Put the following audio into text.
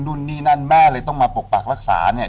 นู่นนี่นั่นแม่เลยต้องมาปกปักรักษาเนี่ย